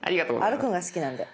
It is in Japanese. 歩くのが好きなんで。